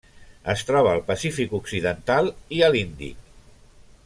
Es troba al Pacífic occidental i a l'Índic.